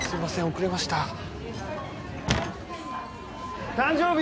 遅れました誕生日